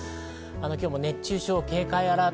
今日も熱中症警戒アラート